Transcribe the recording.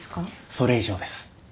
それ以上です。